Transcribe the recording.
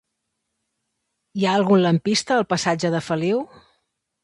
Hi ha algun lampista al passatge de Feliu?